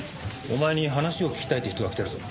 お前に話を聞きたいって人が来てるぞ。